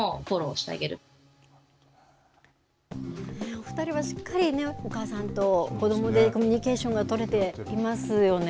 お２人はしっかり、お母さんと子どもでコミュニケーションが取れていますよね。